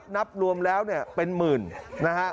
นับรวมแล้วเป็นหมื่นนะฮะ